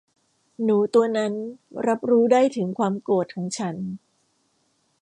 หนูตัวนั้นรับรู้ได้ถึงความโกรธของฉัน